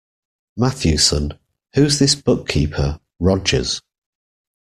Matthewson, who's this bookkeeper, Rogers.